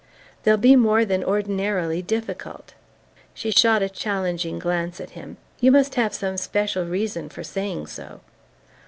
"They'll be more than ordinarily difficult." She shot a challenging glance at him. "You must have some special reason for saying so."